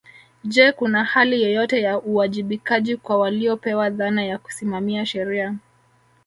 Je kuna hali yoyote ya uwajibikaji kwa waliopewa dhana ya kusimamia sheria